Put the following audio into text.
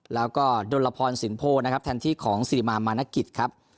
แล้วก็ดนรพรสินโพนะครับแทนที่ของสิริมามานกิจครับ